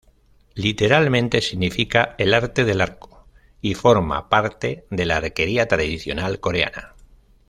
Literalmente significa "el arte del arco", y forma parte de la arquería tradicional coreana.